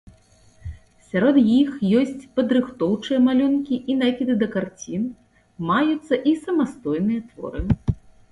Сярод іх ёсць падрыхтоўчыя малюнкі і накіды да карцін, маюцца і самастойныя творы.